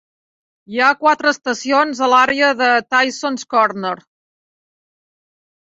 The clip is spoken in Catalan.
Hi ha quatre estacions a l'àrea de Tysons Corner.